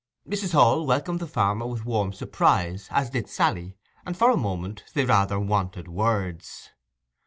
Mrs. Hall welcomed the farmer with warm surprise, as did Sally, and for a moment they rather wanted words.